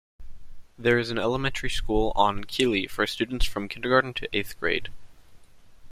There is an elementary school on Kili for students from Kindergarten to eighth grade.